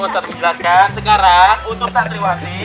sekarang untuk santriwati